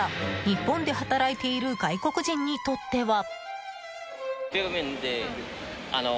日本で働いている外国人にとっては。